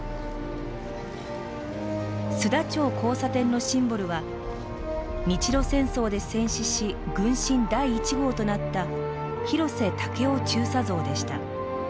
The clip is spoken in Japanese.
須田町交差点のシンボルは日露戦争で戦死し軍神第１号となった広瀬武夫中佐像でした。